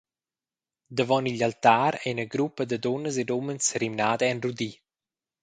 Davon igl altar ei ina gruppa da dunnas ed umens serimnada en rudi.